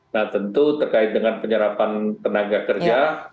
nah tentu terkait dengan penyerapan tenaga kerja